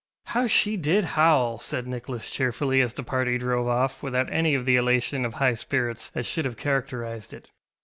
ŌĆ£How she did howl, ŌĆØ said Nicholas cheerfully, as the party drove off without any of the elation of high spirits that should have characterised it.